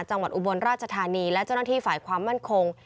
อุบลราชธานีและเจ้าหน้าที่ฝ่ายความมั่นคง